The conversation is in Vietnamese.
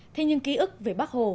thế nhưng ký ức về bắc hồ